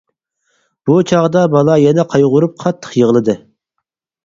بۇ چاغدا بالا يەنە قايغۇرۇپ قاتتىق يىغلىدى.